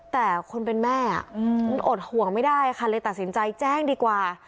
แต่คนเป็นแม่มันอดห่วงไม่ได้ค่ะเลยตัดสินใจแจ้งดีกว่า